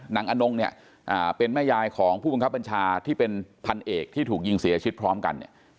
อนงเนี่ยเป็นแม่ยายของผู้บังคับบัญชาที่เป็นพันเอกที่ถูกยิงเสียชีวิตพร้อมกันเนี่ย